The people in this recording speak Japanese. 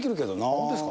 本当ですか。